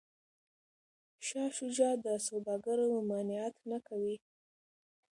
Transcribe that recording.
شاه شجاع د سوداګرو ممانعت نه کوي.